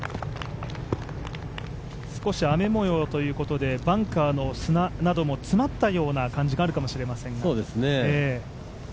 少し雨もようということでバンカーの砂なども詰まったような感じがあるかもしれませんが。